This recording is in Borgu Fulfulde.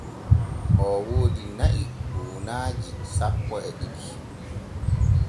Oo woodi na’i buunaaji sappo e ɗiɗi.